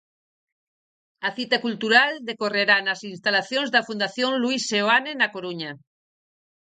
A cita cultural decorrerá nas instalacións da Fundación Luis Seoane na Coruña.